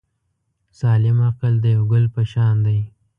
سالم عقل د یو ګل په شان دی.